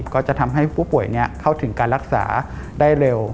ก็จะทำให้ผู้ป่วยเข้าถึงการรักษาได้เร็ว